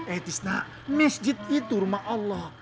eh tisnak masjid itu rumah allah